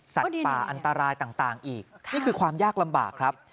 ป่าอันตรายต่างอีกนี่คือความยากลำบากครับ